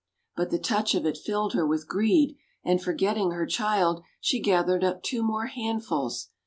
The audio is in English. But the touch of it filled her with greed, and, forgetting her child, she gathered up two more handfuls.